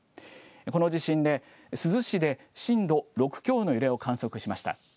この地震で珠洲市で震度６強の揺れを観測しました。